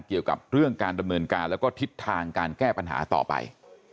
เกี่ยวกับเรื่องการดำเนินการแล้วก็ทิศทางการแก้ปัญหาต่อไป